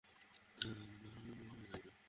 এজরাকে দোয়া পাঠ করাতে থাকবো, হাঁটু গেড়ে বসিয়ে রাখবো।